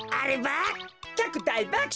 きゃくだいばくしょう。